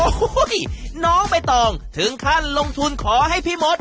โอ้โหน้องใบตองถึงขั้นลงทุนขอให้พี่มด